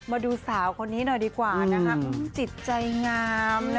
มาดูสาวคนนี้หน่อยดีกว่านะคะจิตใจงาม